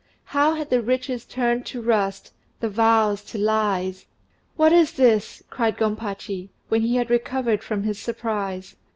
How had the riches turned to rust, the vows to lies! "What is this?" cried Gompachi, when he had recovered from his surprise.